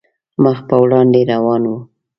مخ په وړاندې روان وو.